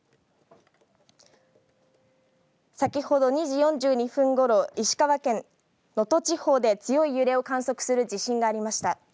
先ほど２時４２分ごろ、石川県能登地方で強い揺れを観測する地震がありました。